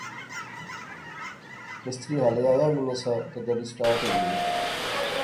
مستری ہالے ایا وی ناسا تے گڈی سٹارٹ ہوئی غئی